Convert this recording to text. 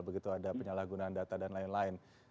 begitu ada penyalahgunaan data dan lain lain